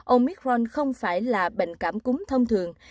omicron không phải là bệnh cảm cúng thông thường